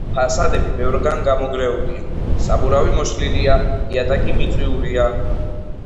ფასადები ბევრგან გამონგრეულია, საბურავი მოშლილია, იატაკი მიწურია.